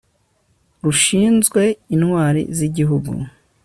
rushinzwe intwari z'igihugu